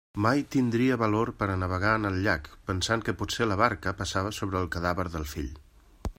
Mai tindria valor per a navegar en el llac, pensant que potser la barca passava sobre el cadàver del fill.